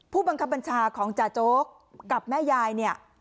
ผู้บังคับบัญชาของจ่าโจ๊กกับแม่ยายเนี่ย